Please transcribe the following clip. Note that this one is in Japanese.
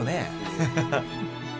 ハハハハ